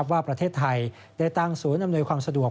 ว่าประเทศไทยได้ตั้งศูนย์อำนวยความสะดวก